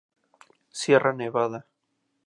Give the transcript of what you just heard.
Sierra Nevada.